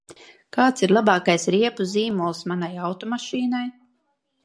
Kāds ir labākais riepu zīmols manai automašīnai?